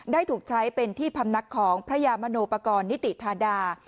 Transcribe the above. ถูกใช้เป็นที่พำนักของพระยามโนปกรณ์นิติธาดา